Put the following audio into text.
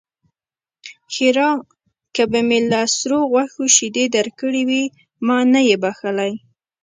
ښېرا: که به مې له سرو غوښو شيدې درکړې وي؛ ما نه يې بښلی.